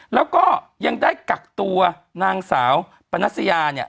แล้วก็ยังได้กักตัวนางสาวปนัสยาเนี่ย